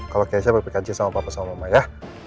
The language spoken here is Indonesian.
kalau keisha berpikir aja sama papa sama mama ya